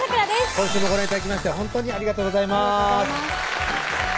今週もご覧頂きましてほんとにありがとうございます